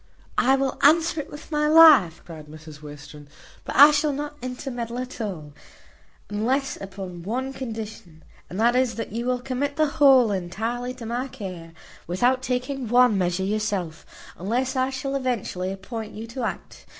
"I will answer it with my life," cried Mrs Western, "but I shall not intermeddle at all, unless upon one condition, and that is, that you will commit the whole entirely to my care, without taking any one measure yourself, unless I shall eventually appoint you to act.